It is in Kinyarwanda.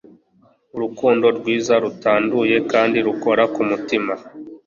urukundo rwiza, rutanduye kandi rukora ku mutima